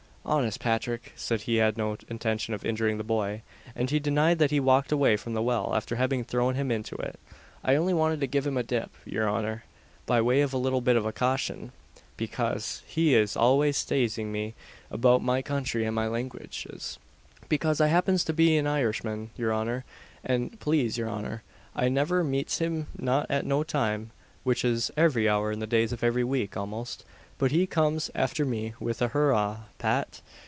Honest Patrick said he had no intention of injuring the boy; and he denied that he walked away from the well after having thrown him into it. "I only wanted to give him a dip, your honour, by way of a little bit of a caution; bekase he is always tazing me about my country and my languages, bekase I happens to be an Irishman, your honour; and, plase your honour, I never meets him not at no time, which is every hour in the days of every week almost, but he comes after me with a 'Hurrah, Pat!